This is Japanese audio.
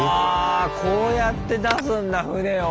こうやって出すんだ船を。